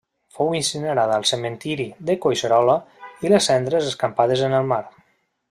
Fou incinerada al Cementiri de Collserola i les cendres escampades en el mar.